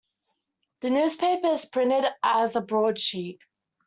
The newspaper is printed as a broadsheet.